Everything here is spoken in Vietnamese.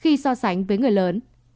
khi so sánh với người lớn